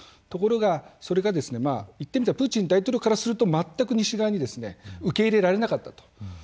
ところがそれがいってみればプーチン大統領からすると全く西側に受け入れられなかったと。